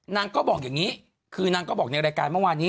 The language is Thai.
นางก็บอกอย่างนี้คือนางก็บอกในรายการเมื่อวานนี้